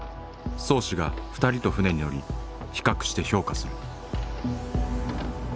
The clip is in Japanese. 漕手が２人と船に乗り比較して評価する。